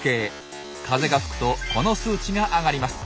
風が吹くとこの数値が上がります。